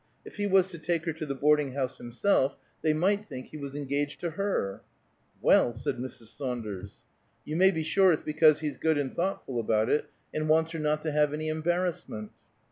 If he was to take her to the boarding house himself, they might think he was engaged to her." "Well!" said Mrs. Saunders. "You may be sure it's because he's good and thoughtful about it, and wants her not to have any embarrassment."